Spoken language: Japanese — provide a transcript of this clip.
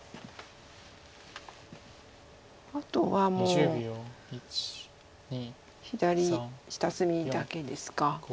あとはもう左下隅だけですか。